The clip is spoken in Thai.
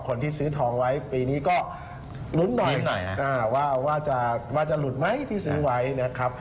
คนที่ซื้อทองไว้ปีนี้ก็ลุ้นหน่อยว่าจะหลุดไหมที่ซื้อไว้นะครับ